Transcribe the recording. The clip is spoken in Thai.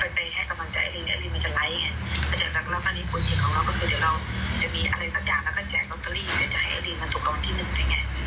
ถือพี่ไปจุดไปคุยกับเขาแล้วก็ไปคุยกับไอลินนะ